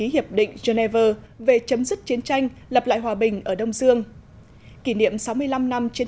hiệp định geneva về chấm dứt chiến tranh lập lại hòa bình ở đông dương kỷ niệm sáu mươi năm năm chiến